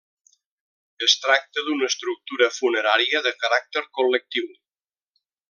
Es tracta d'una estructura funerària de caràcter col·lectiu.